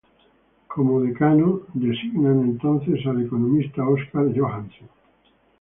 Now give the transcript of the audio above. Como decano es designado, entonces, el economista Óscar Johansen.